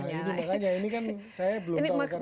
nah ini makanya ini kan saya belum tahu karena